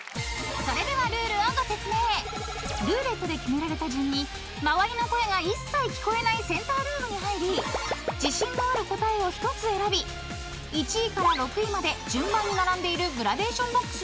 ［それではルールをご説明］［ルーレットで決められた順に周りの声が一切聞こえないセンタールームに入り自信がある答えを１つ選び１位から６位まで］